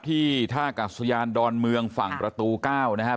ท่ากัดสยานดอนเมืองฝั่งประตู๙นะครับ